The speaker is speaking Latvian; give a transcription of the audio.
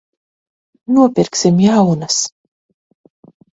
Nopirksim jaunas.